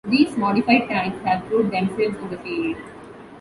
These "modified" tanks have proved themselves in the field.